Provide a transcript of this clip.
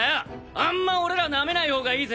あんま俺らなめないほうがいいぜ。